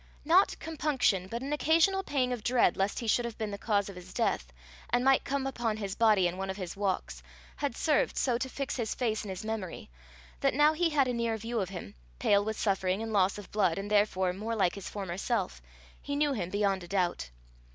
Not compunction, but an occasional pang of dread lest he should have been the cause of his death, and might come upon his body in one of his walks, had served so to fix his face in his memory, that, now he had a near view of him, pale with suffering and loss of blood and therefore more like his former self, he knew him beyond a doubt.